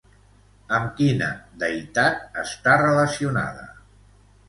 Amb quina deïtat està relacionada?